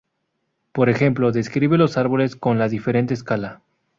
Por ejemplo, describe los árboles con la diferente escala.